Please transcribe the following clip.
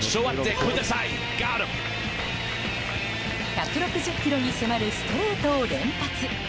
１６０キロに迫るストレートを連発。